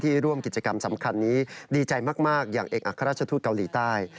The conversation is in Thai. ร่วมกิจกรรมสำคัญนี้ดีใจมากอย่างเอกอัครราชทูตเกาหลีใต้